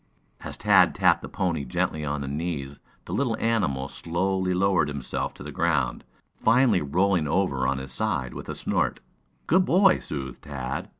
As Tad tapped the pony gently on the knees the little animal slowly lowered himself to the ground, finally rolling over on his side with a snort. "Good boy," soothed Tad.